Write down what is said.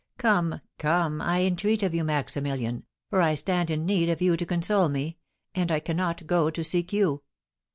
Come! Come! I entreat of you, Maximilian, for I stand in need of you to console me, and I cannot go to seek you.